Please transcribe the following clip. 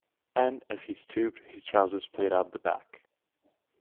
And, as he stooped, his trousers split up the back.